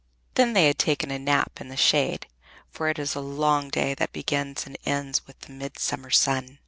Then they had taken a nap in the shade, for it is a long day that begins and ends with the midsummer sun.